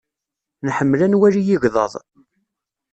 Nḥemmel ad nwali igḍaḍ.